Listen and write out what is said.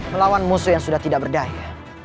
melawan musuh yang sudah tidak berdaya